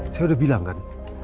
saya udah bilang kan